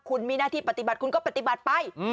คุณมีหน้าที่ปฏิบัติคุณก็ปฏิบัติไป